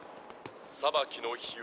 裁きの日は。